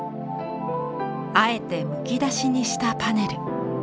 あえてむき出しにしたパネル。